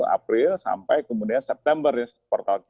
april sampai kemudian september ya kuartal tiga